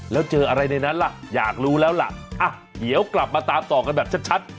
แล้วเจออะไรในนั้นล่ะอยากรู้แล้วล่ะเดี๋ยวกลับมาตามต่อกันแบบชัด